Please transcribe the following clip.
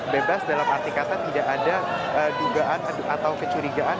bebas dalam arti kata tidak ada dugaan atau kecurigaan